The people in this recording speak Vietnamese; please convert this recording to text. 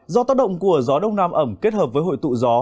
do tác động của gió đông nam ẩm kết hợp với hội tụ gió